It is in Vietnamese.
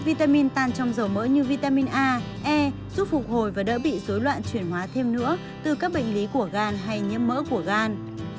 vitamin tan trong dầu mỡ như vitamin a e giúp phục hồi và đỡ bị dối loạn chuyển hóa thêm nữa từ các bệnh lý của gan hay nhiễm mỡ của gan